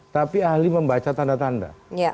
tapi ahli membaca tanda tanda